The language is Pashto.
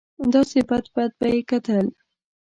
داسې بد بد به یې کتل.